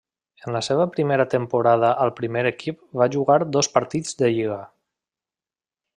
En la seva primera temporada al primer equip va jugar dos partits de lliga.